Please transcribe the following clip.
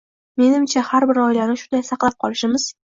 Menimcha har bir oilani shunday saqlab qolishimiz